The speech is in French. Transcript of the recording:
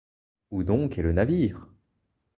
Où donc est le navire?